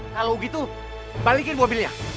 kalau gitu balikin mobilnya